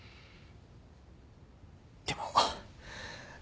でも。